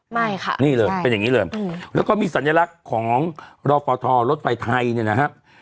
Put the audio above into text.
ไม่ค่ะนี่เลยเป็นอย่างนี้เลยแล้วก็มีสัญลักษณ์ของรอฟทรถไฟไทยเนี่ยนะครับ